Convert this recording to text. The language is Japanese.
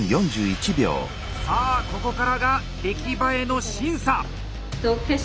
さあここからが出来栄えの審査！